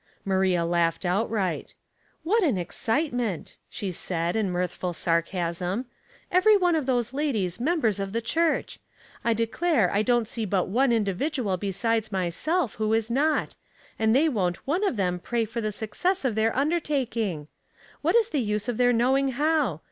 Maria laughed outright. *' What an excitement," she said, in mirth ful sarcasm. "Every one of those ladies mem bers of the church. I declare, I don't see but one individual besides myself who is notj 18 274 Household Puzzles, and tliey won't one of them pray for the success of their undertaking. What is the use of their knowing how?